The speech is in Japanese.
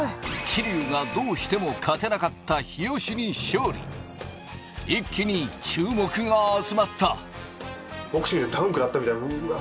桐生がどうしても勝てなかった日吉に勝利一気に注目が集まったうわ